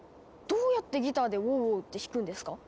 どうやってギターで「ウォウウォウ」って弾くんですか？